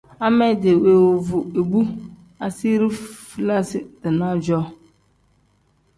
Amedi woovu ibu asiiri fulasi-dinaa-jo.